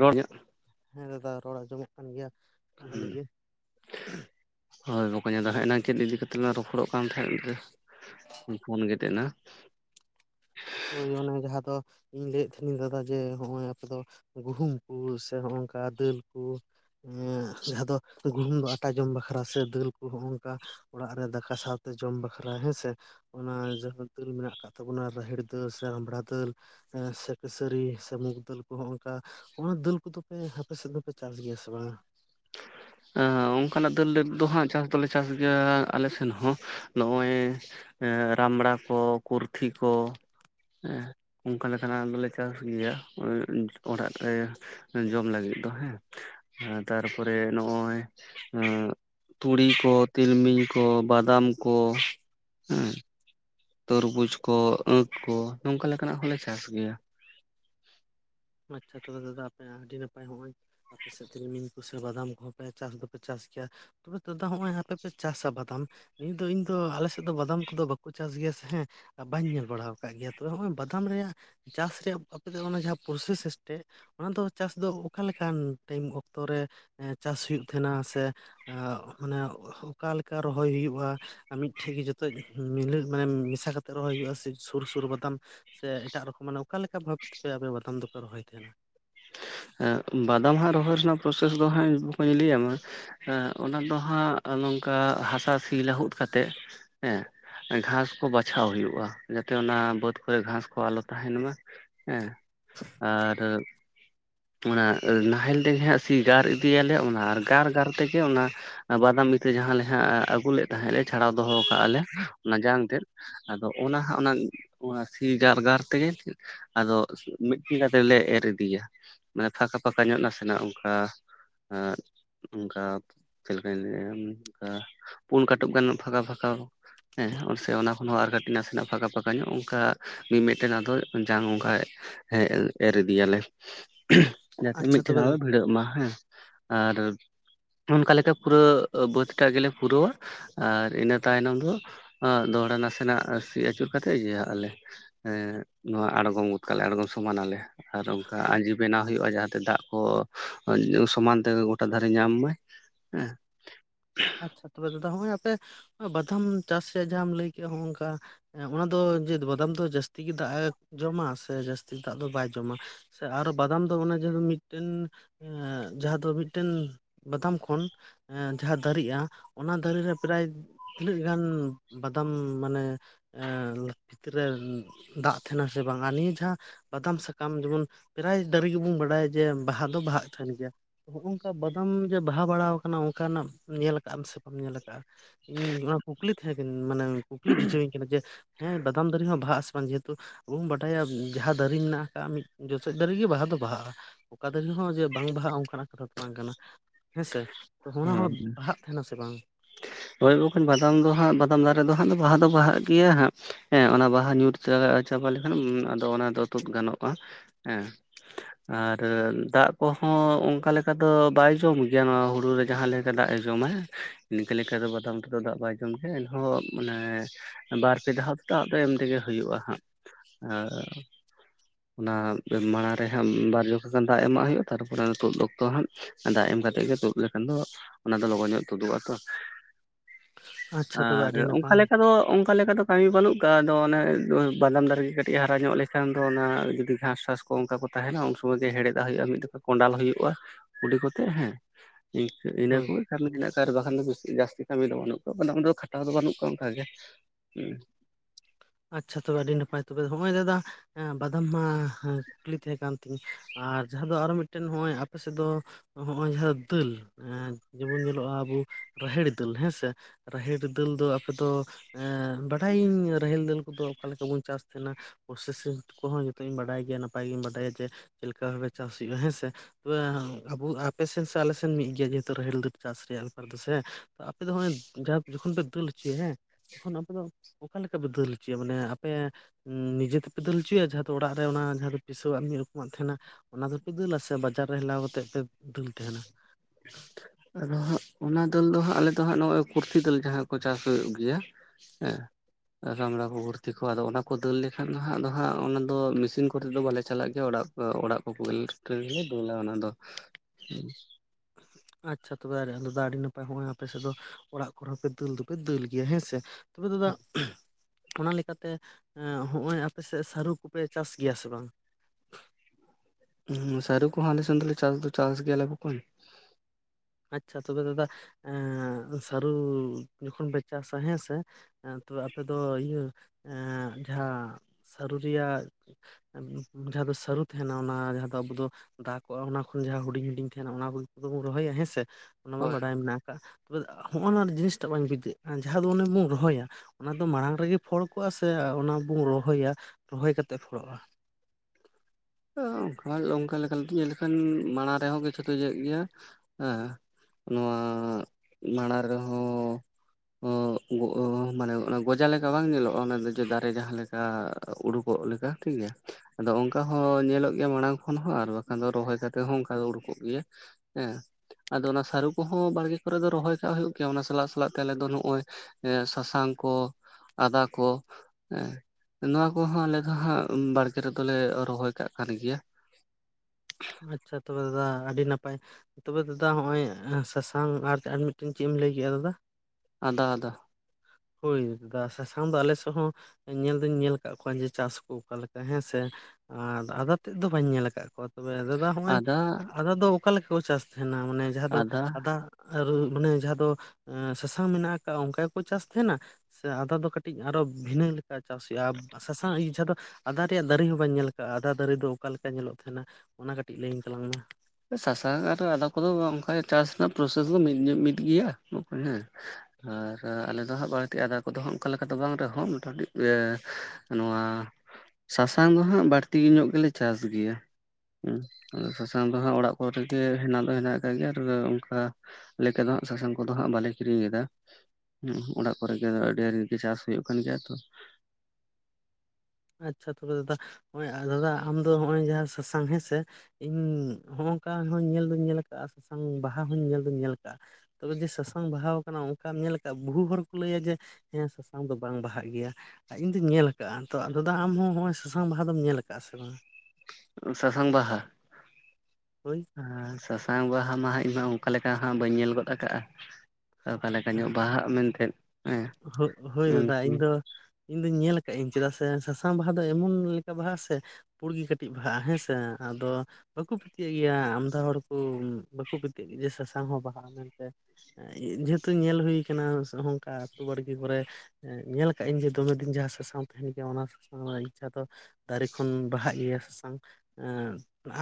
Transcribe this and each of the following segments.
ᱨᱚᱲ ᱧᱚᱜ ᱦᱮᱸ ᱫᱟᱫᱟ ᱨᱚᱲ ᱟᱸᱡᱚᱢᱚᱜ ᱠᱟᱱ ᱜᱮᱭᱟ ᱵᱷᱟᱹᱞᱮ ᱜᱮ ᱦᱳᱭ ᱵᱟᱠᱚᱧ ᱟᱫᱚ ᱦᱟᱸᱜ ᱮᱱᱟᱝ ᱪᱮᱫ ᱤᱫᱤ ᱠᱟᱛᱮ ᱞᱟᱝ ᱨᱚᱯᱚᱲᱚᱜ ᱠᱟᱱ ᱛᱟᱦᱮᱸᱜ ᱯᱷᱳᱱ ᱜᱮᱛᱮᱱᱟ ᱦᱳᱭ ᱚᱱᱮ ᱡᱟᱦᱟᱸ ᱫᱚ ᱤᱧ ᱞᱟᱹᱭᱮᱫ ᱛᱟᱦᱮᱱᱤᱧ ᱫᱟᱫᱟ ᱡᱮ ᱦᱚᱜᱼᱚᱭ ᱟᱯᱮ ᱫᱚ ᱜᱩᱦᱩᱢ ᱠᱚ ᱥᱮ ᱦᱚᱸᱜ ᱚᱝᱠᱟ ᱫᱟᱹᱞ ᱠᱚ ᱮᱸ ᱡᱟᱦᱟᱸ ᱫᱚ ᱜᱩᱦᱩᱢ ᱫᱚ ᱟᱴᱟ ᱡᱚᱢ ᱵᱟᱠᱷᱨᱟ, ᱥᱮ ᱫᱟᱹᱞ ᱠᱚ ᱦᱚᱜ ᱝᱚᱠᱟ ᱚᱲᱟᱜ ᱨᱮ ᱫᱟᱠᱟ ᱥᱟᱶᱛᱮ ᱡᱚᱢ ᱵᱟᱠᱷᱨᱟ ᱦᱮᱸᱥᱮ, ᱚᱱᱟ ᱡᱟᱦᱟᱸ ᱫᱟᱹᱞ ᱢᱮᱱᱟᱜ ᱠᱟᱜ ᱛᱟᱵᱚᱱᱟ ᱨᱟᱦᱮᱲ ᱫᱟᱹᱞ ᱥᱮ ᱟᱢᱲᱟ ᱫᱟᱹᱞ, ᱥᱮ ᱠᱟᱹᱥᱟᱹᱨᱤ, ᱥᱮ ᱢᱩᱩᱜᱽ ᱫᱟᱹᱞ, ᱠᱚ ᱦᱚᱜ ᱚᱝᱠᱟ ᱚᱱᱟ ᱫᱟᱹᱞ ᱠᱚᱫᱚ ᱯᱮ ᱟᱯᱮ ᱥᱮᱫ ᱫᱚᱯᱮ ᱪᱟᱥ ᱜᱮᱭᱟ ᱥᱮ ᱵᱟᱝ᱾ ᱚᱱᱠᱟᱱᱟᱜ ᱫᱟᱹᱞ ᱞᱮᱠ ᱫᱚ ᱦᱟᱸᱜ ᱪᱟᱥ ᱫᱚᱞᱮ ᱪᱟᱥ ᱜᱮᱭᱟ᱾ ᱟᱞᱮ ᱥᱮᱱ ᱦᱚᱸ ᱱᱚᱜ-ᱚᱭ ᱨᱟᱢᱲᱟ ᱠᱚ ᱠᱩᱨᱛᱷᱤ ᱠᱚ ᱦᱮᱸ ᱚᱱᱠᱟ ᱞᱮᱠᱟᱱᱟᱜ ᱫᱚᱞᱮ ᱪᱟᱥ ᱜᱮᱭᱟ ᱜᱮᱭᱟ ᱚᱲᱟᱜ ᱨᱮ ᱡᱚᱢ ᱞᱟᱹᱜᱤᱫ ᱫᱚ ᱦᱮᱸ ᱛᱟᱨᱯᱚᱨᱮ ᱱᱚᱜ-ᱚᱭ ᱮᱸᱻᱛᱩᱲᱤ ᱠᱚ ᱛᱤᱞᱢᱤᱧ ᱠᱚ ᱵᱟᱫᱟᱢ ᱠᱚ ᱦᱩᱸ᱾ ᱛᱚᱨᱵᱩᱡᱽ ᱠᱚ ᱟᱹᱠ ᱠᱚ ᱱᱚᱝᱠᱟ ᱞᱮᱠᱟᱱᱟᱜ ᱦᱚᱞᱮ ᱪᱟᱥ ᱜᱮᱭᱟ᱾ ᱟᱪᱪᱷᱟ ᱛᱚᱵᱮ ᱫᱟᱫᱟ ᱟᱯᱮ ᱟᱹᱰᱤ ᱱᱟᱯᱟᱭ ᱦᱚᱜ-ᱚᱭ ᱥᱮ ᱛᱤᱞᱢᱤᱧ ᱠᱚ ᱥᱮ ᱵᱟᱫᱟᱢ ᱠᱚᱯᱮ ᱪᱟᱥ ᱫᱚᱯᱮ ᱪᱟᱥ ᱜᱮᱭᱟ? ᱛᱚᱵᱮ ᱫᱟᱫᱟ ᱦᱚᱜ-ᱚᱭ ᱟᱯᱮᱯᱮ ᱪᱟᱥᱟ ᱵᱟᱫᱟᱢ ᱤᱧ ᱫᱚ ᱤᱧ ᱫᱚ ᱟᱞᱮ ᱥᱮᱫ ᱫᱚ ᱵᱟᱫᱟᱢ ᱠᱚᱫᱚ ᱵᱟᱠᱚ ᱪᱟᱥ ᱜᱮᱭᱟ ᱥᱮ ᱦᱮᱸ ᱵᱟᱹᱧ ᱧᱮᱞ ᱵᱟᱲᱟᱣ ᱠᱟᱜ ᱜᱮᱭᱟ ᱛᱚ ᱦᱚᱜ-ᱚᱭ ᱵᱟᱫᱟᱢ ᱨᱮᱭᱟᱜ ᱪᱟᱥ ᱨᱮᱭᱟᱜ ᱟᱯᱮ ᱫᱚ ᱚᱱᱟ ᱡᱟᱦᱟᱸ ᱯᱚᱥᱮᱥᱮᱥᱴᱮ ᱚᱱᱟ ᱫᱚ ᱪᱟᱥ ᱫᱚ ᱚᱠᱟᱞᱮᱠᱟᱱ ᱴᱟᱭᱤᱢ ᱚᱠᱛᱚᱨᱮ ᱪᱟᱥ ᱦᱩᱭᱩᱜ ᱛᱟᱦᱮᱸᱱᱟ ᱥᱮ ᱮᱸᱻ ᱚᱱᱮ ᱚᱠᱟᱞᱮᱠᱟ ᱨᱚᱦᱚᱭ ᱦᱩᱭᱩᱜ-ᱟ᱾ ᱟᱨ ᱢᱤᱫ ᱴᱷᱮᱡ ᱜᱮ ᱡᱚᱛᱚᱡ ᱢᱤᱞᱟᱹᱡ ᱢᱟᱱᱮ ᱢᱮᱥᱟ ᱠᱟᱛᱮᱜ ᱨᱚᱦᱚᱭ ᱦᱩᱭᱩᱜ-ᱟ ᱥᱮ, ᱥᱩᱨ ᱥᱩᱨ ᱵᱟᱫᱟᱢ ᱥᱮ ᱮᱴᱟᱜ ᱨᱚᱠᱚᱢ ᱢᱟᱱᱮ ᱚᱠᱟ ᱞᱮᱠᱟ ᱵᱷᱟᱵ ᱛᱮ ᱟᱯᱮ ᱵᱟᱫᱟᱢ ᱫᱚᱯᱮ ᱨᱚᱦᱚᱭ ᱛᱟᱦᱮᱱᱟ? ᱮᱸ ᱵᱟᱫᱟᱢ ᱦᱟᱸᱜ ᱨᱚᱦᱚᱭ ᱨᱮᱱᱟᱜ ᱯᱨᱚᱥᱮᱥ ᱫᱚ ᱦᱟᱸᱜᱵᱚᱠᱚᱧᱤᱧ ᱞᱟᱹᱭᱟᱢᱟ, ᱮᱸ ᱚᱱᱟ ᱫᱚ ᱦᱟᱸᱜ ᱱᱚᱝᱠᱟ ᱦᱟᱥᱟ ᱥᱤ ᱞᱟᱹᱦᱩᱫ ᱠᱟᱛᱮᱜ ᱦᱮᱸ- ᱜᱷᱟᱥ ᱠᱚ ᱵᱟᱪᱷᱟᱣ ᱦᱩᱭᱩᱜ-ᱟ ᱡᱟᱛᱮ ᱚᱱᱟ ᱵᱟᱹᱫ ᱠᱚᱨᱮ ᱜᱷᱟᱥ ᱠᱚ ᱟᱞᱚ ᱛᱟᱦᱮᱱ ᱢᱟ᱾ ᱦᱮᱸ ᱟᱨ ᱢᱟᱱᱮᱜ ᱱᱟᱦᱮᱞ ᱛᱮᱜᱮ ᱦᱟᱜ ᱥᱤ ᱜᱟᱨ ᱤᱫᱤᱭᱟᱞᱮ ᱚᱱᱟ ᱜᱟᱨ ᱜᱟᱨ ᱛᱮᱜᱮ ᱚᱱᱟ ᱵᱟᱫᱟᱢ ᱤᱛᱟᱹ ᱡᱟᱦᱟᱸᱞᱮ ᱦᱟᱸᱜ ᱟᱹᱜᱩ ᱞᱮᱜ ᱛᱟᱦᱮᱸᱫ ᱞᱮ ᱪᱷᱟᱰᱟᱣ ᱫᱚᱦᱚ ᱠᱟᱜ-ᱟ ᱞᱮ ᱚᱱᱟ ᱡᱟᱝ ᱛᱮᱫ ᱟᱫᱚ ᱚᱱᱟ ᱦᱟᱸᱜ ᱚᱱᱟ ᱚᱱᱟ ᱥᱤ ᱜᱟᱨ ᱜᱟᱨ ᱛᱮᱜᱮ ᱟᱫᱚᱜ ᱢᱤᱫᱴᱤ ᱠᱟᱛᱮᱞᱮ ᱮᱨ ᱤᱫᱤᱭᱟ ᱢᱟᱱᱮ ᱯᱷᱟᱸᱠᱟ ᱯᱷᱟᱸᱠᱟ ᱧᱚᱜ ᱱᱟᱥᱮᱱᱟᱜ ᱚᱝᱠᱟ ᱚᱝᱠᱟ ᱪᱮᱫᱞᱮᱠᱟᱧ ᱞᱟᱹᱭᱟ ᱚᱝᱠᱟ ᱯᱩᱱ ᱠᱟᱴᱩᱵ ᱜᱟᱱ ᱯᱷᱟᱸᱠᱟ ᱯᱷᱟᱸᱠᱟ ᱦᱮᱸ ᱥᱮ ᱚᱱᱟ ᱠᱷᱚᱱ ᱦᱚᱸ ᱟᱨ ᱠᱟᱹᱴᱤᱡ ᱱᱟᱥᱮᱱᱟᱜ ᱯᱷᱟᱸᱠᱟ ᱯᱷᱟᱸᱠᱟ ᱧᱚᱜ ᱚᱝᱠᱟ ᱢᱤᱼᱢᱤᱫᱴᱟᱹᱝ ᱟᱫᱚ ᱡᱟᱝ ᱚᱝᱠᱟ ᱦᱮᱸ ᱮᱨ ᱤᱫᱤᱭᱟᱞᱮ ᱡᱟᱛᱮ ᱟᱪᱪᱷᱟ ᱢᱤᱫ ᱴᱷᱮᱱ ᱛᱚᱵᱮ ᱟᱞᱚ ᱛᱚᱵᱮ ᱵᱷᱤᱲᱟᱹᱜ ᱢᱟ ᱦᱮᱸ ᱟᱨ ᱚᱱᱠᱟ ᱞᱮᱠᱟ ᱯᱩᱨᱟᱹ ᱵᱟᱹᱫᱽᱴᱟᱜ ᱜᱮᱞᱮ ᱯᱩᱨᱟᱹᱣᱟ ᱟᱨ ᱤᱱᱟᱹ ᱛᱟᱭᱱᱚᱢ ᱫᱚ ᱫᱚᱦᱲᱟ ᱱᱟᱥᱮᱱᱟᱜ ᱥᱤ ᱟᱹᱪᱩᱨ ᱠᱟᱛᱮ ᱤᱭᱟᱹᱦᱟᱜ-ᱟ ᱞᱮ ᱱᱚᱣᱟ ᱟᱬᱜᱚᱢ ᱜᱚᱫ ᱠᱟᱜ-ᱟ ᱞᱮ ᱟᱬᱜᱚᱢ ᱥᱚᱢᱟᱱᱟᱞᱮ ᱟᱨ ᱚᱱᱠᱟ [unintelligible] ᱱᱟ ᱦᱩᱭᱩᱜ-ᱟ ᱡᱟᱦᱟᱛᱮ ᱫᱟᱜ ᱠᱚ ᱥᱚᱢᱟᱱ ᱛᱮ ᱜᱚᱴᱟ ᱫᱷᱟᱨᱮ ᱧᱟᱢ ᱢᱟᱭ ᱦᱮᱸ ᱟᱪᱪᱷᱟ ᱛᱚᱵᱮ ᱫᱟᱫᱟ ᱦᱚᱸᱜ-ᱚᱭ ᱟᱯᱮ ᱵᱟᱫᱟᱢ ᱪᱟᱥ ᱨᱮᱭᱟᱜ ᱡᱟᱦᱟᱸᱢ ᱞᱟᱹᱭ ᱠᱮᱜ-ᱟ ᱦᱚᱜ ᱚᱝᱠᱟ ᱚᱱᱟ ᱫᱚ ᱪᱮᱫ ᱵᱟᱫᱟᱢ ᱫᱚ ᱡᱟᱹᱥᱛᱤ ᱜᱮ ᱫᱟᱜ ᱮ ᱡᱚᱢᱟ ᱥᱮ ᱡᱟᱹᱥᱛᱤ ᱫᱟᱜ ᱫᱚ ᱵᱟᱭ ᱡᱚᱢᱟ ᱟᱪᱪᱷᱟ ᱟᱨᱚ ᱵᱟᱫᱟᱢ ᱫᱚ ᱚᱱᱟ ᱡᱟᱦᱟᱸ ᱢᱤᱫᱴᱮᱱ ᱡᱟᱦᱟᱸ ᱫᱚ ᱢᱤᱫᱴᱮᱱ ᱵᱟᱫᱟᱢ ᱠᱷᱚᱱᱮᱸ ᱡᱟᱦᱟᱸ ᱫᱟᱨᱤᱜ-ᱟ ᱚᱱᱟ ᱫᱟᱨᱮ ᱨᱮ ᱯᱨᱟᱭ ᱛᱤᱱᱟᱹᱜ ᱜᱟᱱ ᱵᱟᱫᱟᱢ ᱢᱟᱱᱮ ᱮ [unintelligible] ᱫᱟᱜ ᱛᱟᱦᱮᱱᱟ ᱥᱮ ᱵᱟᱝᱟ ᱱᱤᱭᱟᱹ ᱡᱟᱦᱟᱸ ᱵᱟᱫᱟᱢ ᱥᱟᱠᱟᱢ ᱡᱮᱢᱚᱱ ᱯᱨᱟᱭ ᱫᱟᱨᱮ ᱜᱮᱵᱚᱱ ᱵᱟᱰᱟᱭᱟ ᱡᱮ ᱵᱟᱦᱟ ᱫᱚ ᱵᱟᱦᱟᱜ ᱛᱟᱦᱮᱱ ᱜᱮᱭᱟ ᱦᱚᱜ-ᱚ ᱚᱝᱠᱟ ᱵᱟᱫᱟᱢ ᱡᱮ ᱵᱟᱦᱟ ᱵᱟᱲᱟ ᱠᱟᱱᱟ ᱚᱱᱠᱟᱱᱟᱜ ᱧᱮᱞ ᱠᱟᱜ ᱟᱢ ᱥᱮ ᱵᱟᱢ ᱧᱮᱞ ᱟᱠᱟᱜᱼᱟ᱾ ᱤᱧ ᱠᱩᱠᱞᱤ ᱛᱟᱦᱮᱸ ᱠᱟᱱᱟ ᱢᱟᱱᱮ ᱠᱩᱠᱞᱤ ᱵᱩᱡᱷᱟᱹᱧ ᱠᱟᱱᱟ ᱡᱮ ᱦᱮᱸ ᱵᱟᱫᱟᱢ ᱫᱟᱨᱮ ᱦᱚᱸ ᱵᱟᱦᱟ ᱟᱥᱮ ᱵᱟᱝ ᱡᱮᱦᱮ ᱛᱩ ᱟᱵᱚ ᱵᱚᱱ ᱵᱟᱰᱟᱭᱟ ᱡᱟᱦᱟᱸ ᱫᱟᱨᱮ ᱢᱮᱱᱟᱜ ᱟᱠᱟᱫ ᱢᱤᱫ ᱡᱚᱛᱚ ᱫᱟᱨᱮ ᱜᱮ ᱵᱟᱦᱟ ᱫᱚ ᱵᱟᱦᱟᱜᱼᱟ ᱚᱠᱟ ᱫᱟᱨᱮ ᱦᱚᱸ ᱡᱮ ᱵᱟᱝ ᱵᱟᱦᱟᱜᱼᱟ ᱚᱱᱠᱟᱱᱟᱜ ᱠᱟᱛᱷᱟ ᱫᱚ ᱵᱟᱝ ᱠᱟᱱᱟ ᱦᱮᱸᱥᱮ ᱛᱚ ᱚᱱᱟ ᱦᱚᱸ ᱦᱮᱸ ᱵᱟᱦᱟᱜ ᱛᱟᱦᱮᱱᱟ ᱥᱮ ᱵᱟᱝ [inaudible] ᱦᱳᱭ ᱜᱚᱝᱠᱮ ᱵᱟᱫᱟᱢ ᱫᱚ ᱦᱟᱸᱜ ᱵᱟᱫᱟᱢ ᱫᱟᱨᱮ ᱫᱚ ᱦᱟᱸᱜ ᱵᱟᱦᱟ ᱫᱚ ᱵᱟᱦᱟᱜ ᱜᱮᱭᱟ ᱦᱟᱸᱜ ᱦᱮᱸ ᱚᱱᱟ ᱵᱟᱦᱟ ᱧᱩᱨ ᱪᱟᱵᱟ ᱞᱮᱠᱷᱟᱱ ᱩᱱ ᱟᱫᱚ ᱚᱱᱟ ᱫᱚ ᱛᱩᱫ ᱜᱟᱱᱚᱜᱼᱟ ᱦᱮᱸ ᱟᱨ ᱫᱟᱜ ᱠᱚᱦᱚᱸ ᱚᱱᱠᱟ ᱞᱮᱠᱟ ᱫᱚ ᱵᱟᱭ ᱡᱚᱢ ᱜᱮᱭᱟ ᱱᱚᱣᱟ ᱦᱩᱲᱩ ᱨᱮ ᱡᱟᱦᱟ ᱞᱮᱠᱟ ᱫᱟᱜ ᱮ ᱡᱚᱢᱟ ᱤᱱᱠᱟᱹ ᱞᱮᱠᱟ ᱵᱟᱫᱟᱢ ᱛᱮᱫᱚ ᱫᱟᱜ ᱵᱟᱭ ᱡᱚᱢ ᱜᱮᱭᱟ ᱮᱱᱦᱚᱸ ᱢᱟᱱᱮ ᱵᱟᱨ ᱯᱮ ᱫᱷᱟᱣ ᱫᱟᱜ ᱫᱚ ᱮᱢ ᱛᱮᱜᱮ ᱦᱩᱭᱩᱜ-ᱟ ᱦᱟᱸᱜ ᱚᱱᱟ ᱢᱟᱲᱟᱝ ᱨᱮ ᱦᱟᱸᱜ ᱵᱟᱨ ᱡᱚᱠᱷᱟ ᱜᱟᱱ ᱫᱟᱜ ᱮᱢᱟᱜ ᱦᱩᱭᱩᱜ-ᱟ ᱛᱟᱨᱯᱚᱨᱮ ᱛᱳᱫ ᱚᱠᱛᱚ ᱦᱟᱸᱜ ᱫᱟᱜ ᱮᱢ ᱠᱟᱛᱮ ᱜᱮ ᱠᱷᱟᱱ ᱫᱚ ᱚᱱᱟ ᱫᱚ ᱞᱚᱜᱚᱱ ᱧᱚᱜ ᱛᱩᱫᱩᱜ-ᱟ ᱛᱚ ᱟᱪᱪᱷᱟ ᱛᱚᱵᱮ ᱟᱨ ᱟᱹᱰᱤ ᱚᱱᱠᱟ ᱱᱟᱯᱟᱭ ᱞᱮᱠᱟ ᱫᱚ ᱚᱝᱠᱟ ᱞᱮᱠᱟ ᱫᱚ ᱠᱟᱹᱢᱤ ᱵᱟᱹᱱᱩᱜ ᱟᱠᱟᱫᱼᱟ ᱟᱫᱚ ᱚᱱᱮ ᱵᱟᱫᱟᱢ ᱫᱟᱨᱮᱜᱮ ᱠᱟᱹᱴᱤᱡ ᱦᱟᱨᱟ ᱧᱚᱜ ᱞᱮᱠᱷᱟᱱ ᱫᱚ ᱚᱱᱟ ᱡᱩᱫᱤ ᱜᱷᱟᱥ ᱴᱟᱥ ᱠᱚ ᱚᱱᱠᱟ ᱠᱚ ᱛᱟᱦᱮᱱᱟ ᱩᱱ ᱥᱚᱢᱚᱭ ᱜᱮ ᱦᱮᱲᱮᱫᱟᱜ ᱦᱩᱭᱩᱜᱼᱟ ᱢᱤᱫ ᱫᱠᱟ ᱠᱚᱸᱰᱟᱞ ᱦᱩᱭᱩᱜᱼᱟ ᱠᱰᱤᱤ ᱠᱚ ᱠᱟᱛᱮ ᱦᱮᱸ ᱤᱱᱠᱟᱹ ᱤᱱᱟᱹ ᱦᱳᱭ ᱠᱚᱜᱮ [unintelligible] ᱟᱨ ᱵᱟᱠᱷᱟᱱ ᱫᱚ ᱡᱟᱹᱥᱛᱤ ᱠᱟᱹᱢᱤ ᱫᱚ ᱵᱟᱹᱱᱩᱜ-ᱟ ᱵᱟᱫᱟᱢ ᱫᱚ ᱠᱷᱟᱴᱟᱣ ᱫᱚ ᱵᱟᱹᱱᱩᱜ ᱠᱚᱣᱟ ᱚᱱᱠᱟᱜ ᱜᱮ ᱟᱪᱪᱷᱟ ᱛᱚᱵᱮ ᱟᱹᱰᱤ ᱱᱟᱯᱟᱭ ᱛᱚᱵᱮ ᱦᱚᱜᱼᱚᱭ ᱫᱟᱫᱟ ᱵᱟᱫᱟᱢ ᱢᱟ ᱠᱩᱠᱞᱤ ᱛᱟᱦᱮᱸ ᱠᱟᱱ ᱛᱤᱧᱟᱹ ᱟᱨ ᱡᱟᱦᱟᱸ ᱫᱚ ᱟᱨᱚ ᱢᱤᱫᱴᱮᱱ ᱱᱚᱜ-ᱚᱭ ᱟᱯᱮᱥᱮᱫ ᱫᱚ ᱱᱚᱜ-ᱚᱭ ᱡᱟᱦᱟᱸ ᱫᱟᱹᱞ ᱡᱮᱢᱚᱱ ᱧᱮᱞᱚᱜᱼᱟ ᱟᱵᱚ ᱨᱟᱦᱮᱲ ᱫᱟᱹᱞ ᱦᱮᱸᱥᱮ ᱨᱟᱦᱮᱲ ᱫᱟᱹᱞ ᱫᱚ ᱟᱯᱮᱫᱚ ᱮ ᱵᱟᱰᱟᱭᱟᱹᱧ ᱨᱟᱦᱮᱲ ᱫᱟᱹᱞ ᱠᱚᱫᱚ ᱚᱠᱟᱮ ᱞᱮᱠᱟ ᱵᱚᱱ ᱪᱟᱥ ᱛᱟᱦᱮᱱᱟ ᱯᱨᱚᱥᱮᱥ ᱠᱚᱦᱚᱸ ᱡᱷᱚᱛᱚᱧ ᱵᱟᱰᱟᱭ ᱜᱮᱭᱟ ᱱᱟᱯᱟᱭ ᱜᱤᱧ ᱵᱟᱰᱟᱭᱟ ᱡᱮ ᱪᱮᱫ ᱞᱮᱠᱟ ᱵᱷᱟᱵᱮ ᱪᱟᱥ ᱦᱩᱭᱩᱜᱼᱟ ᱦᱮᱸᱥᱮ ᱟᱯᱮ ᱥᱮᱱ ᱥᱮ ᱟᱞᱮ ᱥᱮᱱ ᱢᱤᱫ ᱜᱮᱭᱟ ᱡᱮᱦᱮᱛᱩ ᱨᱟᱦᱮᱲ ᱫᱟᱞ ᱪᱟᱥ ᱨᱮᱭᱟᱜ ᱵᱮᱯᱟᱨ ᱫᱚᱥᱮ ᱟᱯᱮ ᱫᱚ ᱦᱚᱸᱜ-ᱚᱭ ᱡᱚᱠᱷᱚᱱ ᱯᱮ ᱫᱟᱹᱞ ᱦᱚᱪᱚᱭᱟ ᱦᱮᱸ ᱛᱚᱠᱷᱚᱱ ᱟᱯᱮ ᱫᱚ ᱚᱠᱟ ᱞᱮᱠᱟᱯᱮ ᱫᱟᱹᱞ ᱦᱚᱪᱚᱭᱟ, ᱵᱚᱞᱮ ᱟᱯᱮ ᱱᱤᱡᱮ ᱛᱮᱯᱮ ᱫᱟᱹᱞ ᱦᱚᱪᱚᱭᱟ ᱡᱟᱦᱟᱸ ᱚᱲᱟᱜ ᱨᱮ ᱚᱱᱟ ᱯᱤᱥᱟᱹᱣᱟᱜ ᱢᱤᱫ ᱨᱚᱠᱚᱢᱟᱜ ᱛᱟᱦᱮᱱᱟ ᱚᱱᱟ ᱫᱚᱯᱮ ᱫᱟᱹᱞᱟ ᱥᱮ ᱵᱟᱡᱟᱨ ᱨᱮ ᱦᱮᱞᱟᱣ ᱠᱟᱛᱮᱫ ᱯᱮ ᱫᱟᱹᱞ ᱛᱟᱦᱮᱱᱟ ᱟᱫᱚ ᱦᱟᱸᱜ ᱚᱱᱟ ᱫᱟᱹᱞ ᱫᱚ ᱦᱟᱸᱜ ᱟᱞᱮ ᱫᱚ ᱦᱟᱸᱜ ᱱᱚᱜᱼᱚᱭ ᱠᱩᱨᱛᱤ ᱛᱟᱹᱞ ᱡᱟᱦᱟ ᱠᱚ ᱪᱟᱥ ᱦᱩᱭᱩᱜ ᱜᱮᱭᱟ ᱦᱮᱸ ᱨᱟᱢᱲᱟ ᱠᱚ ᱠᱩᱨᱛᱤ ᱠᱚ ᱟᱫᱚ ᱚᱱᱟ ᱠᱚ ᱫᱟᱹᱞ ᱞᱮᱠᱷᱟᱱ ᱫᱚ ᱦᱟᱜ ᱫᱚ ᱦᱟᱸᱜ ᱚᱱᱟ ᱫᱚ ᱢᱮᱥᱤᱱ ᱠᱚᱨᱮ ᱫᱚ ᱵᱟᱞᱮ ᱪᱟᱞᱟᱜ ᱜᱮᱭᱟ ᱚᱲᱟᱜ ᱚᱲᱟᱜ [unintelligible] ᱫᱟᱹᱞᱟ ᱚᱱᱟ ᱫᱚ ᱦᱩᱸ ᱟᱪᱪᱷᱟ ᱛᱚᱵᱮ ᱟᱨ ᱟᱹᱰᱤ ᱱᱟᱯᱟᱭ ᱦᱚᱸᱜᱼᱚᱭ ᱟᱯᱮ ᱥᱮᱫ ᱫᱚ᱾ ᱚᱲᱟᱜ ᱠᱚᱨᱮ ᱦᱚᱸ ᱯᱮ ᱫᱟᱹᱞ ᱫᱚᱯᱮ ᱫᱟᱹᱞ ᱜᱮᱣᱟ ᱦᱮᱸᱥᱮ ᱛᱚᱵᱮ ᱫᱟᱫᱟ᱾ ᱚᱱᱟ ᱞᱮᱠᱟᱛᱮ ᱦᱚᱜ ᱚᱭ ᱟᱯᱮᱥᱮᱫ ᱥᱟᱹᱨᱩ ᱠᱚᱯᱮ ᱪᱟᱥ ᱜᱮᱣᱟ ᱥᱮ ᱵᱟᱝ? ᱥᱟᱨᱩ ᱠᱚ ᱦᱚᱸ ᱟᱞᱮ ᱥᱮᱱ ᱫᱚ ᱪᱟᱥ ᱫᱚ ᱞᱮ ᱪᱟᱥ ᱜᱮᱣᱟ ᱠᱚ ᱵᱚᱠᱚᱧ᱾ ᱟᱪᱪᱷᱟ ᱛᱚᱵᱮ ᱫᱟᱫᱟ ᱮᱸ ᱥᱟᱹᱨᱩ ᱡᱚᱠᱷᱚᱱ ᱯᱮ ᱪᱟᱥᱟ ᱦᱮᱸᱥᱮ᱾ ᱮᱸ ᱛᱚᱵᱮ ᱟᱯᱮ ᱫᱚ ᱤᱭᱟᱹ ᱮ ᱡᱟᱦᱟᱸ ᱥᱟᱹᱨᱩ ᱨᱮᱭᱟᱜ᱾ ᱡᱟᱦᱟ ᱫᱚ ᱥᱟᱹᱨᱩ ᱛᱟᱦᱮᱱᱟ ᱚᱱᱟ ᱡᱟᱦᱟ ᱫᱚ ᱟᱵᱚ ᱫᱚ᱾ ᱫᱟᱜ ᱠᱚᱜᱼᱟ ᱚᱱᱟ ᱠᱷᱚᱱ ᱡᱟᱦᱟᱸ ᱦᱩᱰᱤᱧ ᱦᱩᱰᱤᱧ ᱛᱟᱦᱮᱱᱟ ᱚᱱᱟ ᱠᱚ ᱠᱚ ᱵᱚᱱ ᱨᱚᱦᱚᱭᱟ ᱦᱮᱸᱥᱮ ᱚᱱᱟ ᱢᱟ ᱦᱳᱭ ᱵᱟᱰᱟᱭ ᱢᱮᱱᱟᱜᱼᱟ᱾ ᱛᱚ ᱦᱚᱸᱜᱼᱱᱟ ᱡᱤᱱᱤᱥᱴᱟᱜ ᱵᱟᱹᱧ ᱵᱩᱟᱹᱜᱼᱟ ᱡᱟᱦᱟᱸ ᱫᱚ ᱚᱱᱮ ᱵᱚᱱ ᱨᱚᱦᱚᱭᱟ᱾ ᱚᱱᱟ ᱫᱚ ᱢᱟᱲᱟᱝ ᱨᱮᱜᱮ ᱯᱷᱳᱚᱲ ᱠᱚᱜᱼᱟ ᱥᱮ ᱚᱱᱟ ᱵᱚᱱ ᱨᱚᱦᱚᱭᱟ ᱨᱚᱦᱚᱭ ᱠᱟᱛᱮᱜ ᱯᱷᱳᱲᱚᱜᱼᱟ? ᱚᱱᱠᱟ ᱚᱱᱠᱟ ᱞᱮᱠᱟ ᱧᱮᱞ ᱞᱮᱠᱷᱟᱱ ᱢᱟᱲᱟᱝ ᱨᱮᱦᱚᱸ ᱠᱤᱪᱷᱩ ᱫᱚ ᱤᱭᱟ. ᱜᱮᱭᱟ ᱦᱮᱸ ᱱᱚᱣᱟ ᱢᱟᱲᱟᱝ ᱨᱮᱦᱚᱸ᱾ ᱚ ᱜᱚ ᱢᱟᱱᱮ ᱚᱱᱟ ᱜᱚᱡᱟ ᱞᱮᱠᱟ ᱵᱟᱝ ᱧᱮᱞᱚᱜᱼᱟ ᱚᱱᱟ ᱫᱚ ᱡᱮ ᱫᱟᱨᱮ ᱡᱟᱦᱟᱞᱮᱠᱟ᱾ ᱟ ᱩᱰᱩᱠᱚᱜ ᱞᱮᱠᱟ ᱴᱷᱤᱠ ᱜᱮᱣᱟ ᱟᱫᱚ ᱚᱱᱠᱟ᱾ ᱦᱚ ᱧᱮᱞᱚᱜ ᱜᱮᱣᱟ ᱢᱟᱲᱟᱝ ᱠᱷᱚᱱ ᱦᱚᱸ ᱟᱨ ᱵᱟᱠᱷᱟᱱ ᱫᱚ ᱨᱚᱦᱚᱭ ᱠᱟᱛᱮ ᱦᱚᱸ ᱚᱱᱠᱟ ᱫᱚ ᱩᱰᱩᱠᱚᱜ ᱜᱮᱣᱟ ᱦᱮᱸ᱾ ᱟᱫᱚ ᱚᱱᱟ ᱥᱟᱹᱨᱩ ᱠᱚᱦᱚᱸ ᱵᱟᱲᱜᱮ ᱠᱚᱨᱮ ᱫᱚ ᱨᱚᱦᱚᱭ ᱠᱟᱜ ᱦᱩᱭᱩᱜ ᱜᱮᱭᱟ ᱚᱱᱟ ᱥᱟᱞᱟᱜ ᱥᱟᱞᱟᱜ ᱛᱮ ᱟᱞᱮ ᱫᱚ ᱱᱚᱜ᱾ ᱥᱟᱥᱟᱝ ᱠᱚ ᱟᱫᱟ ᱠᱚ᱾ ᱦᱮᱸ ᱱᱚᱣᱟ ᱠᱚᱦᱚᱸ ᱟᱞᱮ ᱫᱚ ᱦᱟᱸᱜ ᱵᱟᱲᱜᱮ ᱨᱮᱫᱚᱞᱮ ᱨᱚᱦᱚᱭ ᱠᱟᱜ ᱠᱟᱱ ᱜᱮᱭᱟ ᱟᱪᱪᱷᱟ ᱛᱚᱵᱮ ᱫᱟᱫᱟ ᱟᱹᱰᱤ ᱱᱟᱯᱟᱭ ᱛᱚᱵᱮ ᱫᱟᱫᱟ ᱱᱚᱜ ᱚᱭ ᱥᱟᱥᱟᱝ ᱟᱨ ᱟᱨ ᱢᱤᱫᱴᱮᱱ ᱪᱮᱫ ᱮᱢ ᱞᱟᱹᱭ ᱠᱮᱭᱟ ᱫᱟᱫᱟ᱾ ᱟᱫᱟ ᱟᱫᱟ ᱦᱳᱭ ᱫᱟᱫᱟ ᱥᱟᱥᱟᱝ ᱫᱚ ᱟᱞᱮ ᱥᱮᱫ ᱦᱚᱸ ᱧᱮᱞ ᱫᱩᱧ ᱧᱮᱞ ᱠᱟᱜ ᱠᱚᱣᱟ ᱡᱮ ᱪᱟᱥ ᱠᱚ ᱚᱠᱟ ᱞᱮᱠᱟ ᱦᱮᱸᱥᱮ᱾ ᱟᱨ ᱟᱫᱟ ᱛᱮᱫ ᱫᱚ ᱵᱟᱹᱧ ᱧᱮᱞ ᱟᱠᱟᱜ ᱠᱚᱣᱟ᱾ ᱛᱚᱵᱮ ᱫᱟᱫᱟ ᱱᱚᱜᱼᱚᱭ ᱟᱫᱟ ᱟᱫᱟ ᱫᱚ ᱚᱠᱟ ᱞᱮᱠᱟ ᱠᱚ ᱪᱟᱥ ᱛᱟᱦᱮᱱᱟ ᱢᱟᱱᱮ ᱡᱟᱦᱟᱸ ᱫᱚ ᱟᱫᱟ? ᱟᱨ ᱢᱟᱱᱮ ᱡᱟᱦᱟᱸ ᱫᱚ ᱥᱟᱥᱟᱝ ᱢᱮᱱᱟᱜ ᱟᱠᱟᱜ ᱚᱱᱠᱟ ᱜᱮᱠᱚ ᱪᱟᱥ᱾ ᱛᱟᱦᱮᱱᱟ ᱥᱮ ᱟᱫᱟ ᱫᱚ ᱠᱟᱹᱴᱤᱡ ᱟᱨᱚ ᱵᱷᱤᱱᱟᱹ ᱞᱮᱠᱟ ᱪᱟᱥ ᱦᱩᱭᱩᱜᱼᱟ ᱥᱟᱥᱟᱝ ᱡᱟᱦᱟᱸ ᱫᱚ᱾ ᱟᱫᱟ ᱨᱮᱭᱟᱜ ᱫᱟᱨᱮ ᱦᱚᱸ ᱵᱟᱹᱧ ᱧᱮᱞ ᱠᱟᱜᱼᱟ ᱟᱫᱟ ᱫᱟᱨᱮ ᱫᱚ ᱚᱠᱟᱞᱮᱠᱟ ᱧᱮᱞᱚᱜ ᱛᱟᱦᱮᱱᱟ ᱚᱱᱟ ᱠᱟᱹᱴᱤᱡ ᱞᱟᱹᱭᱟᱹᱧ ᱛᱟᱞᱟᱝ ᱢᱮ? ᱥᱟᱥᱟᱝ ᱟᱨ ᱟᱫᱟ ᱠᱚᱫᱚ ᱚᱱᱠᱟ ᱪᱟᱥ ᱨᱮᱭᱟᱜ ᱯᱨᱚᱥᱮᱥ ᱫᱚ ᱢᱤᱫ ᱢᱤᱫ ᱜᱮᱭᱟ ᱦᱮᱸ᱾ ᱟᱨ ᱟᱞᱮ ᱫᱚ ᱦᱟᱸᱜ ᱵᱟᱹᱲᱛᱤ ᱟᱫᱟ ᱠᱚᱫᱚᱜ ᱚᱱᱠᱟ ᱞᱮᱠᱟ ᱫᱚ ᱵᱟᱝ ᱨᱮᱦᱚᱸ ᱢᱚᱴᱟ ᱢᱩᱴᱤ ᱤᱭᱟ᱾ ᱱᱚᱣᱟ᱾ ᱥᱟᱥᱟᱝ ᱫᱚ ᱦᱟᱜ ᱵᱟᱹᱲᱛᱤ ᱧᱚᱜ ᱜᱮᱞᱮ ᱪᱟᱥ ᱜᱮᱭᱟ ᱦᱩᱸ ᱟ ᱥᱟᱥᱟᱝ ᱚᱲᱟᱜ ᱠᱚᱨᱮᱜᱮ ᱦᱮᱱᱟᱜ ᱫᱚ ᱦᱮᱱᱟᱜ ᱠᱟᱜ ᱜᱮᱭᱟ ᱟᱨ ᱚᱱᱠᱟ᱾ ᱞᱮᱠᱟ ᱱᱟᱜ ᱥᱟᱥᱟᱝ ᱠᱚᱫᱚ ᱦᱟᱸᱜ ᱵᱟᱞᱮ ᱠᱤᱨᱤᱧᱮᱫᱟ᱾ ᱦᱩᱸ ᱚᱲᱟᱜ ᱠᱚᱨᱮ ᱜᱮ ᱟᱹᱰᱤ ᱟᱸ ᱰᱤ ᱜᱮ ᱪᱟᱥ ᱦᱩᱭᱩᱜ ᱠᱟᱱ ᱜᱮᱭᱟ ᱛᱚ᱾ ᱟᱪᱪᱷᱟ ᱛᱚᱵᱮ ᱫᱟᱫᱟ ᱱᱚᱜᱼᱚᱭ ᱫᱟᱫᱟ ᱟᱢ ᱫᱚ ᱱᱚᱜᱼᱚᱭ ᱡᱟᱦᱟᱸ ᱥᱟᱥᱟᱝ ᱦᱮᱸᱥᱮ ᱤᱧ ᱦᱚᱸᱜ ᱱᱚᱝᱠᱟ ᱦᱚᱸᱧ ᱧᱮᱞ ᱫᱩᱧ ᱧᱮᱞ ᱟᱠᱟᱜᱼᱟ ᱥᱟᱥᱟᱝ ᱵᱟᱦᱟ ᱦᱚᱸᱧ ᱧᱮᱞ ᱫᱩᱧ ᱧᱮᱞ ᱟᱠᱟᱜᱼᱟ᱾ ᱛᱚᱵᱮ ᱡᱮ ᱥᱟᱥᱟᱝ ᱵᱟᱦᱟᱣ ᱠᱟᱱᱟ ᱚᱱᱠᱟ ᱧᱮᱞ ᱠᱟᱜ ᱵᱩᱦᱩ ᱦᱚᱲ ᱠᱚ ᱞᱟᱹᱭᱟ ᱡᱮ᱾ ᱦᱮᱸ ᱥᱟᱥᱟᱝ ᱫᱚ ᱵᱟᱝ ᱵᱟᱦᱟᱜ ᱜᱮᱭᱟ ᱟᱨ ᱤᱧ ᱫᱩᱧ ᱧᱮᱞ ᱠᱟᱜᱼᱟ᱾ ᱛᱚ ᱫᱟᱫᱟ ᱟᱢ ᱦᱚᱸᱜᱼᱚᱭ ᱥᱟᱥᱟᱝ ᱵᱟᱦᱟ ᱫᱚᱢ ᱧᱮᱞ ᱟᱠᱟᱜᱼᱟ ᱥᱮ ᱵᱟᱝ? ᱥᱟᱥᱟᱝ ᱵᱟᱦᱟ᱾ ᱦᱳᱭ ᱟᱨ ᱥᱟᱥᱟᱝ ᱵᱟᱦᱟ ᱢᱟ ᱤᱧᱢᱟ ᱚᱱᱠᱟ ᱞᱮᱠᱟ ᱦᱟᱸᱜ ᱵᱟᱹᱧ ᱧᱮᱞ ᱜᱚᱫ ᱟᱠᱟᱜᱼᱟ᱾ ᱚᱠᱟᱮᱠᱟ ᱧᱚᱜ ᱵᱟᱦᱟᱜ ᱢᱮᱱᱛᱮ᱾ ᱦᱮᱸ ᱦᱳ ᱦᱳᱭ ᱫᱟᱫᱟ ᱢᱮᱱᱠᱷᱟᱱ ᱤᱧ ᱫᱚ᱾ ᱤᱧ ᱫᱩᱧ ᱧᱮᱞ ᱠᱟᱜᱟᱹᱤᱧ ᱪᱮᱫᱟᱜ ᱥᱮ ᱥᱟᱥᱟᱝ ᱵᱟᱦᱟ ᱫᱚ ᱮᱢᱚᱱ ᱞᱮᱠᱟ ᱵᱟᱦᱟ ᱥᱮ᱾ ᱯᱩᱲᱜᱮ ᱠᱟᱹᱴᱤᱡ ᱵᱟᱦᱟ ᱟᱜ ᱦᱮᱸᱥᱮ ᱟᱫᱚ᱾ ᱵᱟᱠᱩ ᱯᱟᱹᱛᱭᱟᱹᱜ ᱜᱮᱭᱟ ᱟᱢᱫᱟ ᱦᱚᱲ ᱠᱩ ᱵᱟᱠᱩ ᱯᱟᱹᱛᱭᱟᱹᱜ ᱜᱮᱭᱟ ᱡᱮ ᱥᱟᱥᱟᱝ ᱦᱚᱸ ᱵᱟᱦᱟᱜᱼᱟ ᱢᱮᱱᱛᱮ᱾ ᱡᱮᱦᱮᱛᱩ ᱧᱮᱞ ᱦᱩᱭ ᱠᱟᱱᱟ ᱱᱚᱝᱠᱟ ᱟᱹᱛᱩ ᱵᱟᱲᱜᱮ ᱠᱚᱨᱮ᱾ ᱧᱮᱞ ᱠᱟᱜ ᱟᱹᱤᱧ ᱡᱮ ᱫᱚᱢᱮ ᱫᱤᱱ ᱡᱟᱦᱟᱸ ᱥᱟᱥᱟᱝ ᱛᱟᱦᱮᱱ ᱜᱮᱭᱟ ᱚᱱᱟ ᱥᱟᱥᱟᱝ ᱨᱮᱱᱟᱜ ᱤᱪᱷᱟ ᱫᱚ᱾ ᱫᱟᱨᱮ ᱠᱷᱚᱱ ᱵᱟᱦᱟᱜ ᱜᱮᱭᱟ ᱥᱟᱥᱟᱝ ᱮ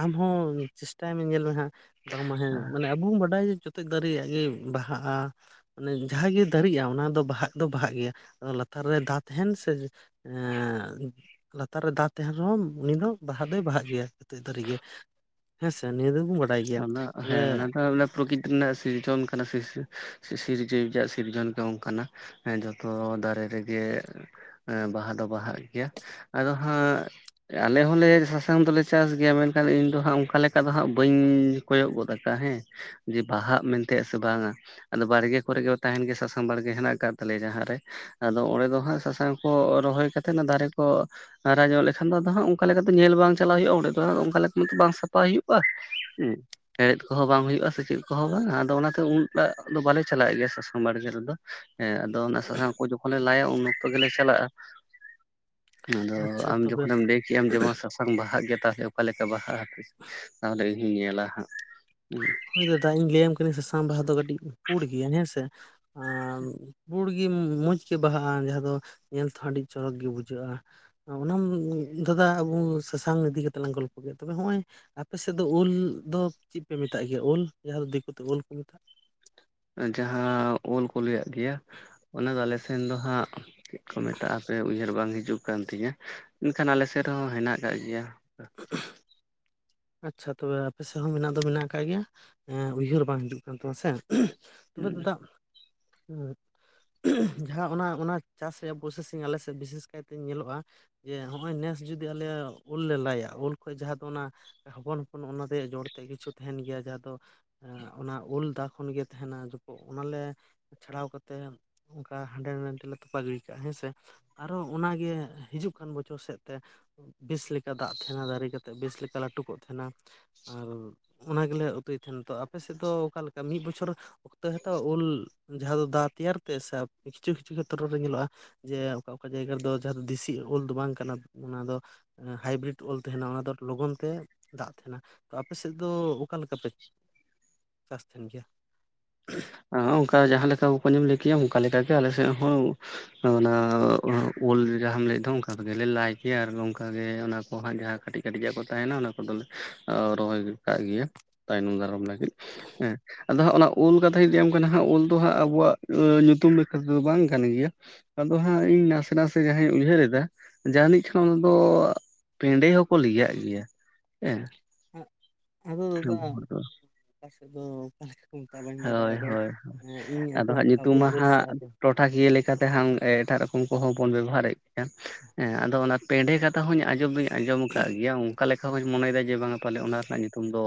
ᱟᱢᱦᱚᱸ ᱪᱮᱥᱴᱟᱭ ᱢᱮ ᱧᱮᱞ ᱢᱮᱦᱟᱸᱜ ᱵᱟᱝᱢᱟ ᱦᱮᱸ ᱢᱟᱱᱮ ᱟᱵᱚ ᱵᱚᱱ ᱵᱟᱰᱟᱭ ᱡᱮ ᱫᱟᱨᱤᱭᱟᱜ ᱜᱮ ᱵᱟᱦᱟᱜᱼᱟ ᱢᱟᱱᱮ ᱡᱟᱦᱟᱸ ᱜᱮ ᱫᱟᱨᱤᱜᱼᱟ ᱚᱱᱟ ᱫᱚ ᱵᱟᱦᱟᱜ ᱫᱚ ᱵᱟᱦᱟᱜ ᱜᱮᱭᱟ ᱟᱫᱚ ᱞᱟᱛᱟᱨ ᱨᱮ ᱫᱟ ᱛᱟᱦᱮᱱ ᱱᱟ ᱥᱮ ᱞᱟᱛᱟᱨ ᱨᱮ ᱫᱟᱜ ᱛᱟᱦᱮᱱ ᱨᱮᱦᱚᱸ ᱩᱱᱤ ᱫᱚ ᱵᱟᱦᱟ ᱫᱚᱭ ᱵᱟᱦᱟᱜ ᱜᱮᱭᱟ ᱫᱟᱨᱮ ᱜᱮ ᱦᱮᱸᱥᱮ ᱱᱤᱭᱟᱹ ᱫᱚ ᱵᱚᱱ ᱵᱟᱰᱟᱭ ᱜᱮᱭᱟ ᱛᱚᱵᱮ ᱯᱨᱚᱠᱤᱛ ᱨᱮᱱᱟᱜ ᱥᱤᱨᱡᱚᱱ ᱠᱟᱱᱟ ᱥᱤᱨᱡᱤᱣᱭᱤ ᱥᱤᱨᱡᱚᱱ ᱫᱚ ᱚᱱᱠᱟ ᱡᱚᱛᱚ ᱫᱟᱨᱮ ᱨᱮᱜᱮ ᱵᱟᱦᱟ ᱫᱚ ᱵᱟᱦᱟᱜ ᱜᱮᱭᱟ ᱟᱫᱚ ᱦᱟᱸᱜ ᱟᱞᱮ ᱦᱚᱸᱞᱮ ᱥᱟᱥᱟᱝ ᱫᱚᱞᱮ ᱪᱟᱥ ᱜᱮᱭᱟ ᱢᱮᱱᱠᱷᱟᱱ ᱤᱧ ᱫᱚ ᱦᱟᱸᱜ ᱚᱱᱠᱟ ᱞᱮᱠᱟ ᱫᱚ ᱦᱟᱸᱜ ᱵᱟᱹᱧ ᱠᱚᱭᱚᱜ ᱜᱚᱫ ᱠᱟᱜᱼᱟ ᱦᱮᱸ ᱡᱮ ᱵᱟᱦᱟᱜ ᱢᱮᱱᱛᱮᱼᱟ ᱥᱮ ᱵᱟᱝᱟ ᱟᱫᱚ ᱵᱟᱲᱜᱮ ᱠᱚᱨᱮ ᱜᱮ ᱛᱟᱦᱮᱱ ᱜᱮ ᱥᱟᱥᱟᱝ ᱵᱟᱲᱜᱮ ᱦᱮᱱᱟᱜ ᱠᱟᱜ ᱛᱟᱞᱮᱭᱟ ᱡᱟᱦᱟᱸᱨᱮ ᱟᱫᱚ ᱚᱸᱰᱮ ᱫᱚ ᱦᱟᱸᱜ ᱥᱟᱥᱟᱝ ᱠᱚ ᱨᱚᱦᱚᱭ ᱠᱟᱛᱮᱫ ᱫᱟᱨᱮ ᱠᱚ ᱦᱟᱨᱟ ᱧᱚᱜ ᱞᱮᱠᱷᱟᱱ ᱫᱚ ᱟᱫᱚ ᱦᱟᱸᱜ ᱚᱱᱠᱟ ᱞᱮᱠᱟᱛᱮ ᱧᱮᱞ ᱵᱟᱝ ᱪᱟᱞᱟᱜ ᱦᱩᱭᱩᱜᱼᱟ ᱚᱸᱰᱮ ᱫᱚ ᱟᱨ ᱚᱱᱠᱟ ᱞᱮᱠᱟᱚ ᱵᱟᱝ ᱥᱟᱯᱷᱟ ᱦᱩᱭᱩᱜᱼᱟ ᱦᱮᱸ ᱦᱮᱲᱦᱮᱫ ᱠᱚᱦᱚᱸ ᱵᱟᱝ ᱦᱩᱭᱩᱜᱼᱟ ᱥᱮ ᱪᱮᱫ ᱠᱚᱦᱚᱸ ᱵᱟᱝ ᱟᱫᱚ ᱚᱱᱟᱛᱮ ᱩᱱᱟᱜ ᱫᱚ ᱵᱟᱞᱮ ᱪᱟᱞᱟᱣᱮᱫ ᱜᱮᱭᱟ ᱥᱟᱥᱟᱝ ᱵᱟᱲᱜᱮ ᱨᱮᱫᱚ ᱦᱮᱸ ᱟᱫᱚ ᱚᱱᱟ ᱥᱟᱥᱟᱝ ᱠᱚ ᱡᱚᱠᱷᱚᱱ ᱞᱮ ᱞᱟᱭᱟ ᱩᱱ ᱚᱠᱛᱚ ᱜᱮᱞᱮ ᱪᱟᱞᱟᱜᱼᱟ ᱟᱫᱚ ᱟᱪᱪᱷᱟ ᱟᱢ ᱛᱚᱵᱮ ᱡᱚᱠᱷᱚᱱ ᱮᱢ ᱞᱟᱹᱭ ᱠᱮᱟᱜ ᱟᱢ ᱡᱮᱢᱚᱱ ᱥᱟᱥᱟᱝ ᱵᱟᱦᱟᱜ ᱜᱮᱭᱟ ᱛᱟᱦᱞᱮ ᱚᱠᱟᱞᱮᱠᱟ ᱵᱟᱦᱟᱜᱼᱟ ᱛᱟᱦᱞᱮ ᱤᱧᱦᱚᱸᱧ ᱧᱮᱞᱟ ᱦᱟᱸᱜ ᱦᱳᱭ ᱫᱟᱫᱟ ᱤᱧ ᱞᱟᱹᱭᱟᱢ ᱠᱟᱹᱱᱟᱹᱧ ᱥᱟᱥᱟᱝ ᱵᱟᱦᱟ ᱫᱚ ᱠᱟᱹᱴᱤᱡ ᱯᱩᱲ ᱜᱮᱭᱟ ᱦᱮᱸᱥᱮ ᱟᱨ ᱯᱩᱲ ᱜᱮ ᱜᱮ ᱢᱚᱸᱡᱽ ᱜᱮ ᱵᱟᱦᱟᱜᱼᱟ ᱡᱟᱦᱟᱸ ᱫᱚ ᱧᱮᱞ ᱛᱮᱦᱚᱸ ᱟᱹᱰᱤ ᱪᱚᱨᱚᱠ ᱜᱮ ᱵᱩᱡᱷᱟᱹᱜᱼᱟ ᱚᱱᱟᱢ ᱫᱟᱫᱟ ᱟᱵᱚ ᱥᱟᱥᱟᱝ ᱤᱫᱤ ᱠᱟᱛᱮᱜ ᱞᱟᱝ ᱜᱚᱞᱯᱚ ᱠᱮᱫᱟ ᱛᱚᱵᱮ ᱦᱚᱸᱜᱼᱚᱭ ᱟᱯᱮ ᱥᱮᱫ ᱫᱚ ᱳᱞ ᱫᱚ ᱪᱮᱫ ᱯᱮ ᱢᱮᱛᱟᱜ ᱜᱮᱭᱟ ᱳᱞ ᱡᱟᱦᱟᱸ ᱫᱚ ᱫᱤᱠᱩᱛᱮ ᱳᱞ ᱠᱚ ᱢᱮᱛᱟᱜᱼᱟ ᱡᱟᱦᱟᱸ ᱳᱞ ᱠᱚ ᱞᱟᱹᱭᱟᱜ ᱜᱮᱭᱟ ᱚᱱᱟ ᱫᱚ ᱟᱞᱮᱥᱮᱱ ᱫᱚ ᱦᱟᱸᱜ ᱪᱮᱫ ᱠᱚ ᱢᱮᱛᱟᱜᱼᱟ ᱦᱟᱯᱮ ᱩᱭᱦᱟᱹᱨ ᱵᱟᱝ ᱦᱤᱡᱩᱜ ᱠᱟᱱ ᱛᱤᱧᱟᱹ ᱢᱮᱱᱱᱠᱷᱟᱱ ᱟᱞᱮᱥᱮᱫ ᱨᱮᱦᱚᱸ ᱦᱮᱱᱟᱜ ᱠᱟᱜ ᱜᱮᱭᱟ [unintelligible] ᱟᱪᱪᱷᱟ ᱛᱚᱵᱮ ᱟᱯᱮ ᱥᱮᱫ ᱦᱚᱸ ᱢᱮᱱᱟᱜ ᱫᱚ ᱢᱮᱱᱟᱜ ᱟᱠᱟᱫ ᱜᱮᱭᱟᱸ ᱩᱭᱦᱟᱹᱨ ᱵᱟᱝ ᱦᱤᱡᱩᱜ ᱠᱟᱱ ᱛᱟᱢᱟ ᱥᱮ [unintelligible] ᱛᱚᱵᱮ ᱫᱟᱫᱟ ᱡᱟᱦᱟᱸ ᱚᱱᱟ ᱚᱱᱟ ᱪᱟᱥ ᱨᱮᱭᱟᱜ ᱯᱨᱚᱥᱮᱥᱤᱧ ᱟᱞᱮ ᱥᱮᱫ ᱵᱤᱥᱮᱥ ᱠᱟᱭᱛᱮ ᱧᱮᱞᱚᱜᱼᱟ ᱡᱮ ᱦᱚᱸᱜᱼᱚᱭ ᱱᱮᱥ ᱡᱩᱫᱤ ᱟᱞᱮ ᱩᱞ ᱞᱮ ᱞᱟᱭᱟ ᱩᱞ ᱠᱷᱚᱡ ᱡᱟᱦᱟᱸ ᱫᱚ ᱚᱱᱟ ᱦᱚᱯᱚᱱ ᱦᱚᱯᱚᱱ ᱚᱱᱟ ᱨᱮᱭᱟᱜ ᱡᱚᱲ ᱛᱮ ᱠᱤᱪᱷᱩ ᱛᱟᱦᱮᱱ ᱜᱮᱭᱟ ᱡᱟᱦᱟᱸ ᱫᱚ ᱮ ᱚᱱᱟ ᱩᱞᱫᱟᱜ ᱠᱷᱚᱱᱜᱮ ᱛᱟᱦᱮᱱᱟ ᱡᱚᱠᱷᱚᱜ ᱚᱱᱟᱞᱮ ᱪᱷᱟᱲᱟᱣ ᱠᱟᱛᱮᱜ ᱚᱱᱠᱟ ᱦᱟᱸᱰᱮ ᱱᱟᱸᱰᱮ ᱞᱮ ᱛᱚᱯᱟ ᱜᱤᱰᱤ ᱠᱟᱜᱼᱟ ᱦᱮᱸ ᱥᱮ ᱟᱨᱦᱚ ᱚᱱᱟᱜᱮ ᱦᱤᱡᱩᱜ ᱠᱟᱱ ᱵᱚᱪᱷᱚᱨ ᱥᱮᱫ ᱛᱮ ᱵᱮᱥ ᱞᱮᱠᱟ ᱫᱟᱜ ᱛᱟᱦᱮᱱᱟ ᱫᱟᱨᱮ ᱠᱟᱛᱮᱫ ᱵᱮᱥ ᱞᱮᱠᱟ ᱞᱟᱹᱴᱩ ᱠᱚᱜ ᱛᱟᱦᱮᱱᱟ ᱟᱨ ᱚᱱᱟ ᱜᱮᱞᱮ ᱩᱛᱩᱭ ᱛᱟᱦᱮᱱᱟ ᱛᱚ ᱟᱯᱮ ᱥᱮᱫ ᱫᱚ ᱚᱠᱟᱞᱮᱠᱟ ᱢᱤᱫ ᱵᱚᱪᱷᱚᱨ ᱱᱚᱛᱮ ᱦᱚᱛᱚ ᱳᱞ ᱡᱟᱦᱟᱸ ᱫᱚ ᱫᱟ ᱛᱮᱭᱟᱨ ᱛᱮ ᱥᱮ ᱠᱤᱪᱷᱩ ᱠᱤᱪᱷᱩ ᱠᱷᱮᱛᱨᱚ ᱨᱮ ᱧᱮᱞᱚᱜᱼᱟ ᱡᱮ ᱚᱠᱟ ᱚᱠᱟ ᱡᱟᱭᱜᱟ ᱨᱮᱫᱚ ᱡᱟᱦᱟᱸ ᱫᱚ ᱫᱮᱥᱤ ᱳᱞ ᱫᱚ ᱵᱟᱝ ᱠᱟᱱᱟ ᱚᱱᱟ ᱫᱚ ᱦᱟᱭᱵᱨᱮᱴ ᱳᱞ ᱛᱟᱦᱮᱱᱟ ᱚᱱᱟ ᱫᱚ ᱞᱚᱜᱚᱱ ᱛᱮ ᱫᱟᱜ ᱛᱟᱦᱮᱱᱟ ᱛᱚ ᱟᱯᱮ ᱥᱮᱫ ᱫᱚ ᱚᱠᱟ ᱞᱮᱠᱟ ᱯᱮ ᱪᱟᱥᱛᱟᱦᱮᱱ ᱜᱮᱭᱟ ᱮ ᱚᱱᱠᱟ ᱡᱟᱦᱟᱸ ᱞᱮᱠᱟ ᱵᱠᱚᱧ ᱮᱢ ᱞᱟᱹᱭ ᱠᱮᱜᱼᱟ ᱚᱱᱠᱟ ᱞᱮᱠᱟᱜᱮ ᱟᱞᱮᱥᱮᱫ ᱦᱚᱸ ᱦᱚᱸ ᱚᱱᱟ ᱳᱞ ᱡᱟᱦᱟᱢ ᱞᱟᱹᱭᱮᱫ ᱫᱚ ᱚᱱᱠᱟ ᱛᱮᱜᱮᱞᱮ ᱞᱟᱭ ᱜᱮᱭᱟ ᱟᱨ ᱚᱱᱠᱟᱜ ᱜᱮ ᱚᱱᱟ ᱦᱟᱸᱜ ᱡᱟᱦᱟᱸ ᱠᱟᱹᱴᱤᱡ ᱠᱟᱹᱴᱤᱡ ᱟᱜ ᱠᱚ ᱛᱟᱦᱮᱱᱟ ᱚᱱᱟ ᱠᱚᱫᱚᱞᱮ ᱨᱚᱦᱚᱭ ᱠᱟᱜ ᱜᱮᱭᱟ ᱛᱟᱭᱱᱚᱢ ᱫᱟᱨᱟᱢ ᱨᱮ ᱦᱮᱸ ᱟᱫᱚ ᱦᱟᱸᱜ ᱚᱱᱟ ᱳᱞ ᱫᱚ- ᱛᱷᱟᱧ ᱞᱟᱹᱭᱟᱢ ᱠᱟᱱᱟ ᱦᱟᱸᱜ ᱳᱞ ᱫᱚ ᱦᱟᱸᱜ ᱟᱵᱚᱣᱟᱜ ᱧᱩᱛᱩᱢ ᱡᱷᱟ ᱛᱮᱫᱚ ᱵᱟᱝ ᱠᱟᱱ ᱜᱮᱭᱟ ᱟᱫᱚ ᱦᱟᱸᱜ ᱤᱧ ᱱᱟᱥᱮ ᱱᱟᱥᱮ ᱡᱟᱦᱟᱸᱧ ᱩᱭᱦᱟᱹᱨ ᱮᱫᱟ ᱡᱟᱱᱤᱡ ᱠᱷᱟᱱ ᱚᱱᱟ ᱫᱚ ᱯᱮᱸᱰᱮ ᱦᱚᱸᱠᱚ ᱞᱮᱡᱟᱜ ᱜᱮᱭᱟ ᱦᱮᱸ ᱟ ᱟᱫᱚ ᱟᱵᱚ ᱫᱟᱫᱟ ᱦᱚᱲ ᱫᱚ [unintelligible] ᱠᱚ ᱢᱮᱛᱟᱜ ᱵᱟᱹᱧ ᱵᱟᱰᱟᱭᱟ ᱦᱳᱭ ᱟᱫᱚ ᱦᱳᱭ ᱤᱧ ᱟᱫᱚ ᱟᱸᱡᱚᱢ ᱦᱟᱸᱜ ᱠᱟᱜᱼᱟ ᱧᱩᱛᱩᱢ ᱳᱞ ᱢᱟ ᱳᱞ ᱦᱟᱸᱜ ᱥᱮᱫ ᱟᱫᱚ ᱴᱚᱴᱷᱟᱠᱤᱭᱟᱹ ᱞᱮᱠᱟᱛᱮ ᱦᱟᱸᱜ ᱮᱴᱟᱜ ᱨᱚᱠᱚᱢ ᱠᱚᱦᱚᱸ ᱵᱚᱱ ᱵᱮᱵᱚᱦᱟᱨᱮᱫ ᱦᱮᱸ ᱟᱫᱚ ᱚᱱᱟ ᱯᱮᱸᱰᱷᱮ ᱠᱟᱛᱷᱟ ᱦᱚᱸᱧ ᱟᱸᱡᱚᱢ ᱫᱚᱧ ᱟᱸᱡᱚᱢ ᱟᱠᱟᱫ ᱜᱮᱭᱟ ᱚᱱᱠᱟ ᱞᱮᱠᱟ ᱦᱚᱧ ᱢᱚᱱᱮᱭ ᱮᱫᱟ ᱡᱮ ᱵᱟᱝᱟ ᱯᱟᱞᱮ ᱚᱱᱟ ᱨᱮᱱᱟᱜ ᱧᱩᱛᱩᱢ ᱫᱚ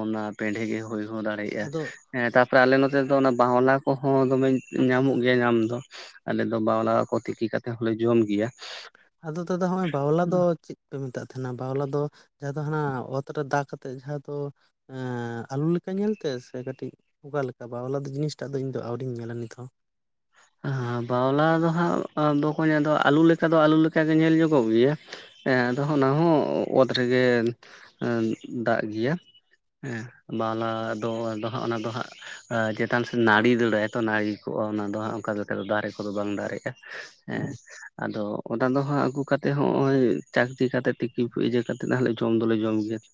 ᱚᱱᱟ ᱯᱮᱸᱰᱷᱮ ᱜᱮ ᱦᱩᱭ ᱦᱚᱸ ᱫᱟᱲᱮᱭᱟᱜᱼᱟ ᱟᱫᱚ ᱦᱮᱸ ᱛᱟᱯᱚᱨᱮ ᱟᱞᱮ ᱱᱚᱛᱮ ᱫᱚ ᱚᱱᱟ ᱵᱟᱣᱞᱟ ᱠᱚᱦᱚᱸ ᱫᱚᱢᱮ ᱧᱟᱢᱚᱜ ᱜᱮᱭᱟ ᱧᱟᱢ ᱫᱚ ᱟᱞᱮ ᱫᱚ ᱵᱟᱣᱞᱟ ᱠᱚ ᱛᱤᱠᱤ ᱠᱟᱛᱮᱫ ᱦᱚᱸᱞᱮ ᱡᱚᱢ ᱜᱮᱭᱟ ᱟᱫᱚ ᱫᱟᱫᱟ ᱦᱚᱸᱜᱼᱚᱭ ᱵᱟᱣᱞᱟ ᱫᱚ ᱪᱮᱫ- ᱯᱮ ᱢᱮᱛᱟᱜ ᱛᱟᱦᱮᱱᱟ ᱵᱟᱣᱞᱟ ᱫᱚ ᱡᱟᱦᱟᱸ ᱫᱚ ᱦᱟᱱᱟ ᱚᱛ ᱨᱮ ᱫᱟ ᱠᱟᱛᱮᱫ ᱡᱟᱦᱟᱸ ᱫᱚ ᱮᱸ ᱟᱞᱩ ᱞᱮᱠᱟ ᱧᱮᱞᱛᱮ ᱥᱮ ᱠᱟᱹᱴᱤᱡ ᱚᱠᱟ ᱞᱮᱠᱟ ᱵᱟᱣᱞᱟᱫᱚ ᱡᱤᱱᱤᱥᱴᱟᱜ ᱫᱚ ᱤᱧ ᱫᱚ ᱟᱹᱣᱨᱤᱧ ᱧᱮᱞᱟ ᱱᱤᱛ ᱦᱚᱸ ᱦᱮ ᱵᱟᱣᱞᱟ ᱫᱚ ᱦᱟᱸᱜ ᱵᱚᱠᱚᱧ ᱟᱫᱚ ᱟᱞᱩ ᱞᱮᱠᱟ ᱫᱚ ᱟᱞᱩ ᱞᱮᱠᱟᱜᱮ ᱧᱮᱞ ᱧᱚᱜᱚᱜ ᱜᱮᱭᱟ ᱦᱮᱸ ᱟᱫᱚ ᱚᱱᱟ ᱦᱚᱸ ᱚᱛ ᱨᱮᱜᱮ ᱫᱟᱜ ᱜᱮᱭᱟ ᱦᱮᱸ ᱵᱟᱣᱞᱟ ᱫᱚ ᱟᱫᱚ ᱦᱟᱸᱜ ᱚᱱᱟ ᱫᱚ ᱦᱟᱸᱜ ᱪᱮᱛᱟᱱ ᱥᱮᱫ ᱱᱟᱹᱲᱤ ᱫᱟᱹᱲᱟᱭ ᱛᱚ ᱱᱟᱹᱲᱤ ᱠᱚᱜᱼᱟ ᱚᱱᱟ ᱫᱚ ᱦᱟᱸᱜ ᱚᱱᱠᱟ ᱞᱮᱠᱟ ᱫᱚ ᱫᱟᱨᱮ ᱠᱚᱫᱚ ᱵᱟᱝ ᱫᱟᱨᱮᱜᱼᱟ ᱦᱮᱸ ᱟᱫᱚ ᱚᱱᱟ ᱫᱚ ᱦᱟᱸᱜ ᱟᱹᱜᱩ ᱠᱟᱛᱮᱫ ᱦᱚᱸᱜᱚᱭ ᱪᱟᱠᱛᱤ ᱠᱟᱛᱮ ᱛᱤᱠᱤ ᱠᱚ ᱤᱭᱟᱹ ᱠᱟᱛᱮᱫ ᱡᱚᱢ ᱫᱚᱞᱮ ᱡᱚᱢ ᱜᱮᱭᱟ ᱦᱮᱸ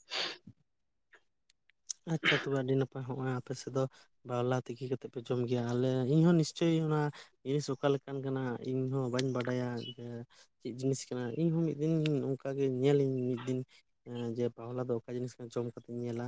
ᱟᱪᱪᱷᱟ ᱛᱚᱵᱮ ᱟᱹᱰᱤ ᱱᱟᱯᱟᱭ ᱦᱚᱸᱜᱼᱚᱭ ᱟᱯᱮ ᱥᱮᱫ ᱫᱚ ᱵᱟᱣᱞᱟ ᱛᱤᱠᱤ ᱠᱟᱛᱮᱫ ᱯᱮ ᱡᱚᱢ ᱜᱮᱭᱟ ᱟᱞᱮ ᱤᱧᱦᱚᱸ ᱱᱤᱥᱪᱳᱭ ᱚᱱᱟ ᱡᱤᱱᱤᱥ ᱚᱠᱟ ᱞᱮᱠᱟᱱ ᱠᱟᱱᱟ ᱤᱧᱦᱚᱸ ᱵᱟᱹᱧ ᱵᱟᱰᱟᱭᱟ ᱡᱮ ᱪᱮᱫ ᱡᱤᱱᱤᱥ ᱠᱟᱱᱟ ᱤᱧ ᱦᱚᱸᱧ ᱢᱤᱫ ᱫᱤᱱ ᱚᱱᱠᱟᱜᱮ ᱧᱮᱞᱤᱧ ᱢᱤᱫ ᱫᱤᱱ ᱦᱮᱸ ᱡᱮ ᱯᱟᱣᱞᱟ ᱫᱚ ᱚᱠᱟ ᱡᱤᱱᱤᱥ ᱠᱟᱱᱟ ᱡᱚᱢ ᱠᱟᱛᱮᱧ ᱧᱮᱞᱟ